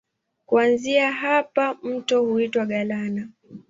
Kuanzia hapa mto huitwa Galana.